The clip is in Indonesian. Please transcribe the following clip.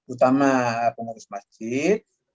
utama pengurus masjid